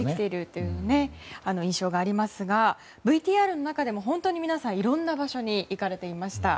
そういう印象がありますがＶＴＲの中でも本当に皆さんいろんな場所に行かれていました。